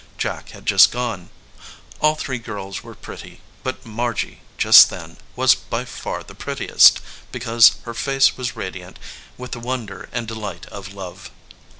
Jack had just gone. All three girls were pretty, but Margy, just then, was by far the prettiest, because her face was radiant with the wonder and delight of love.